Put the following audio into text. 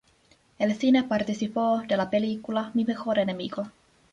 En cine participó de la película Mi mejor enemigo.